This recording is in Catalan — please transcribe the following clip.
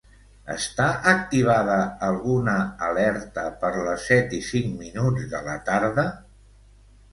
Està activada alguna alerta per les set i cinc minuts de la tarda?